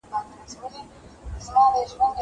هغه وويل چي مينه ښکاره کول ضروري دي!!